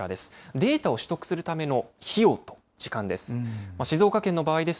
データを取得するための費用と時間です。